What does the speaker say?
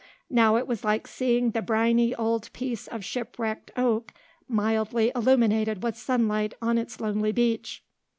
Now it was like seeing the briny old piece of shipwrecked oak mildly illuminated with sunlight on its lonely beach.